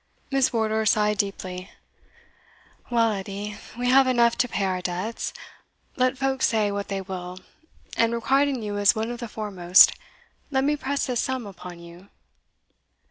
Miss Wardour sighed deeply "Well, Edie, we have enough to pay our debts, let folks say what they will, and requiting you is one of the foremost let me press this sum upon you."